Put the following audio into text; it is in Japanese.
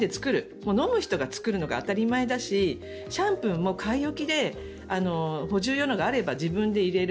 もう飲む人が作るのが当たり前だしシャンプーも買い置きで補充用のがあれば自分で入れる。